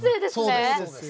そうです。